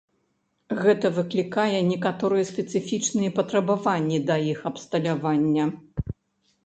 Гэта выклікае некаторыя спецыфічныя патрабаванні да іх абсталявання.